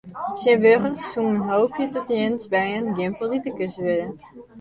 Tsjintwurdich soe men hoopje dat jins bern gjin politikus wurdt.